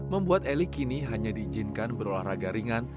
membuat eli kini hanya diizinkan berolahraga ringan